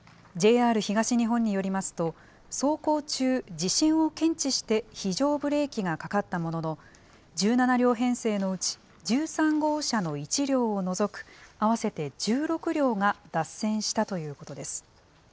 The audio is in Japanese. ＪＲ東日本によりますと、走行中、地震を検知して非常ブレーキがかかったものの、１７両編成のうち１３号車の１両を除く、合わせて１６両が脱線したということです。